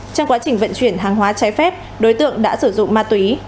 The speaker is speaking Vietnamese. trong quá trình vận chuyển hàng hóa trái phép đối tượng đã sử dụng ma túy